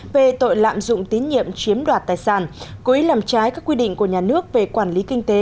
về tội lạm dụng tín nhiệm chiếm đoạt tài sản cố ý làm trái các quy định của nhà nước về quản lý kinh tế